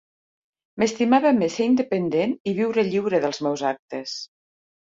M'estimava més ser independent i viure lliure dels meus actes.